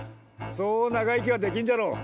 そう長生きはできんじゃろう。